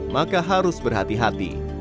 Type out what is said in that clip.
maka harus berhati hati